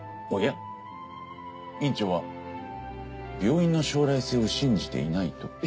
おや院長は病院の将来性を信じていないと？